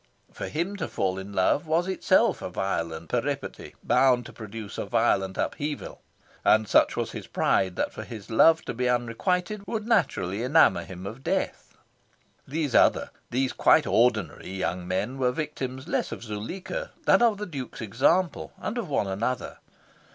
For him to fall in love was itself a violent peripety, bound to produce a violent upheaval; and such was his pride that for his love to be unrequited would naturally enamour him of death. These other, these quite ordinary, young men were the victims less of Zuleika than of the Duke's example, and of one another.